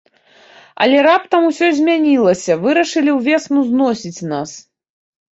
Але раптам усё змянілася, вырашылі ўвесну зносіць нас.